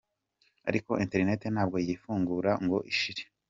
Ariko Internet ntabwo uyifungura ngo ishire.”